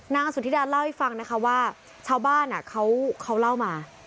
สุธิดาเล่าให้ฟังนะคะว่าชาวบ้านเขาเล่ามา